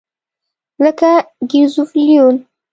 لکه ګریزوفولوین.